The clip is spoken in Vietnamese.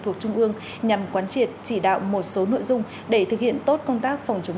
thuộc trung ương nhằm quán triệt chỉ đạo một số nội dung để thực hiện tốt công tác phòng chống